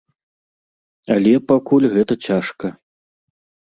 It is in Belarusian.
Але пакуль гэта цяжка.